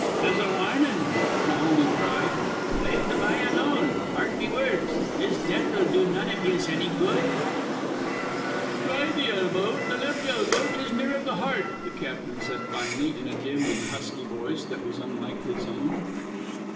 "'Tis a warnin'," Mahoney cried. "Lave the b'y alone. Mark me words. His death'll do none iv yez anny good." "Try at the elbow the left elbow, 'tis nearer the heart," the captain said finally, in a dim and husky voice that was unlike his own.